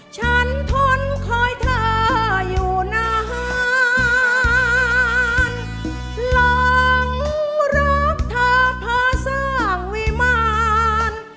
ฉันทนคอยเธออยู่หน้าฮานหลังรักเธอผ่าสร้างวิมาน